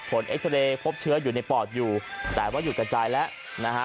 เอ็กซาเรย์พบเชื้ออยู่ในปอดอยู่แต่ว่าหยุดกระจายแล้วนะฮะ